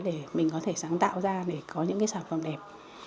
để mình có thể sáng tạo ra để có những cái sản phẩm đẹp